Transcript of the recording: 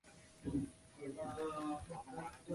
张玄靓于和平元年获张祚封为凉武侯。